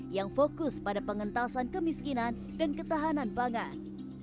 yang fokus pada pengentasan kemiskinan dan ketahanan pangan